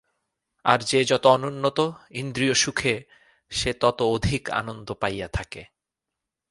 আর যে যত অনুন্নত, ইন্দ্রিয়সুখে সে তত অধিক আনন্দ পাইয়া থাকে।